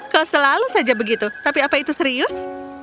kau selalu saja begitu tapi apa itu serius